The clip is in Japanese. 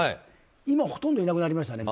今、ほとんどいなくなりましたね。